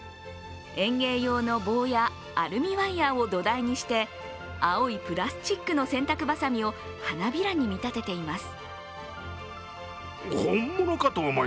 園芸用の棒やアルミワイヤーを土台にして青いプラスチックの洗濯ばさみを花びらに見立てています。